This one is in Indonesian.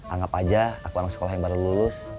anggap aja aku anak sekolah yang baru lulus